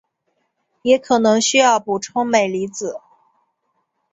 也可能需要补充镁离子。